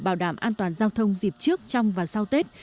bảo đảm an toàn giao thông dịp trước trong và sau tết